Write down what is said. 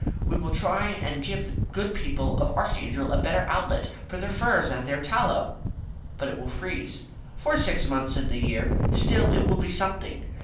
We will try and give the good people of Archangel a better outlet for their furs and their tallow." "But it will freeze." "For six months in the year. Still, it will be something.